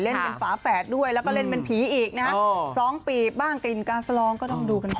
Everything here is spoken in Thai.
เล่นเป็นฝาแฝดด้วยแล้วก็เล่นเป็นผีอีกนะฮะ๒ปีบบ้างกลิ่นกาสลองก็ต้องดูกันต่อ